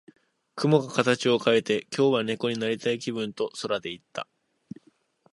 雲が形を変えて、「今日は猫になりたい気分」と空で言った。